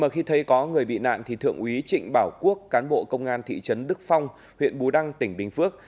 đây có người bị nạn thì thượng úy trịnh bảo quốc cán bộ công an thị trấn đức phong huyện bù đăng tỉnh bình phước